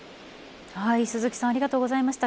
鈴木さんありがとうございました。